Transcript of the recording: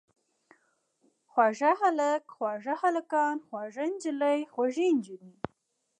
خوږ هلک، خواږه هلکان، خوږه نجلۍ، خوږې نجونې.